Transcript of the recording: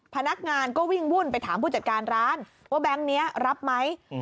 พนักงานก็วิ่งวุ่นไปถามผู้จัดการร้านว่าแบงค์นี้รับไหม